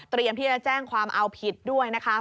ที่จะแจ้งความเอาผิดด้วยนะคะ